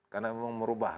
karena memang merubah